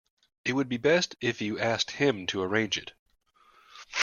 It would be best if you asked him to arrange it.